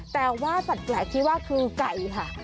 แต่ว่าสัตว์แปลกที่ว่าคือไก่ค่ะ